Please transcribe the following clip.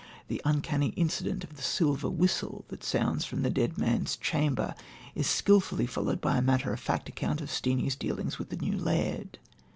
The uncanny incident of the silver whistle that sounds from the dead man's chamber is skilfully followed by a matter of fact account of Steenie's dealings with the new laird.